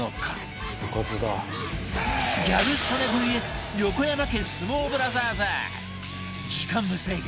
ギャル曽根 ＶＳ 横山家相撲ブラザーズ時間無制限